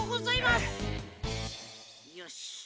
よし。